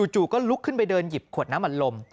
จู่ก็ลุกขึ้นไปเดินหยิบขวดน้ำอัดลม